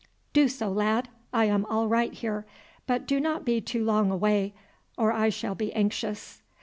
"Do so, lad; I am all right here. But do not be too long away or I shall be anxious."